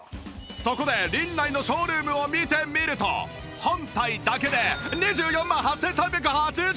そこでリンナイのショールームを見てみると本体だけで２４万８３８０円！